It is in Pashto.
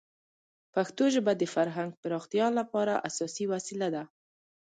پښتو ژبه د فرهنګ پراختیا لپاره اساسي وسیله ده.